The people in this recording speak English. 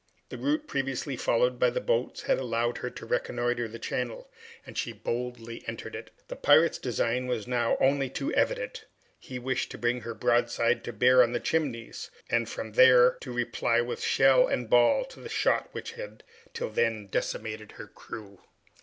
The route previously followed by the boats had allowed her to reconnoiter the channel, and she boldly entered it. The pirate's design was now only too evident; he wished to bring her broadside to bear on the Chimneys and from there to reply with shell and ball to the shot which had till then decimated her crew.